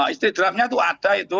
istri drafnya itu ada itu